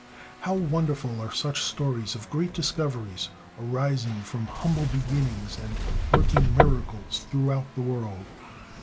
How wonderful are such stories of great discoveries arising from humble beginnings, and working miracles throughout the world!